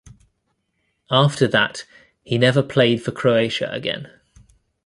After that, he never played for Croatia again.